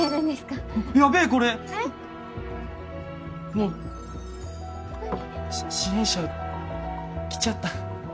もうし支援者来ちゃった。